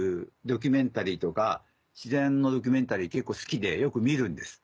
ドキュメンタリーとか自然のドキュメンタリー結構好きでよく見るんです。